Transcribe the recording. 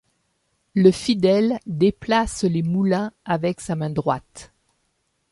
Le fidèle déplace les moulins avec sa main droite.